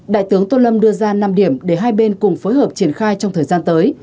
đại tướng tô lâm đưa ra năm điểm để hai bên cùng phối hợp triển khai trong thời gian tới